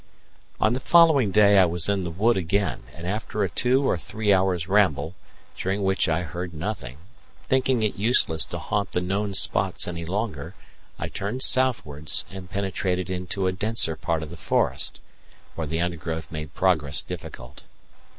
On the following day I was in the wood again, and after a two or three hours' ramble, during which I heard nothing, thinking it useless to haunt the known spots any longer, I turned southwards and penetrated into a denser part of the forest, where the undergrowth made progress difficult.